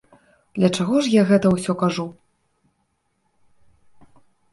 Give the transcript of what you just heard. Для чаго я гэта ўсё кажу?